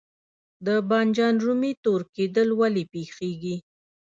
د بانجان رومي تور کیدل ولې پیښیږي؟